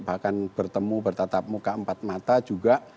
bahkan bertemu bertatap muka empat mata juga